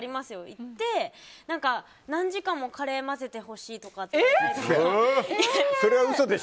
行って、何時間もカレー混ぜてほしいとか。